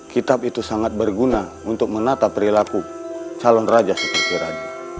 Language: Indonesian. kitab itu sangat berguna untuk menata perilaku calon raja seperti radi